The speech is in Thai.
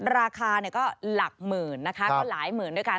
ราคาก็หลักหมื่นนะคะก็หลายหมื่นด้วยกัน